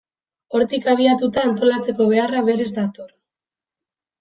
Hortik abiatuta, antolatzeko beharra berez dator.